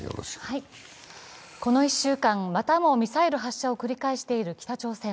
この１週間、またもミサイル発射を繰り返している北朝鮮。